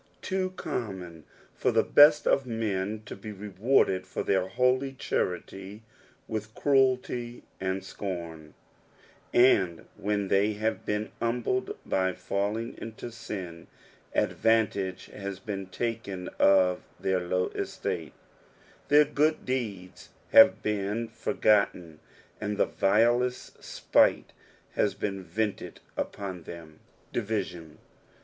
too amimxmfor the beat of men to be rfuurdsd for Ouir holy charily leilh cradty and scorn ; and lo/if n they haue betn humbled by falling into sin, adoantagt has been taken of their lorn etiale, their good deeds have been for gotten and the vilest sj^e has been vented upon them. DivmiDN.